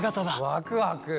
ワクワク。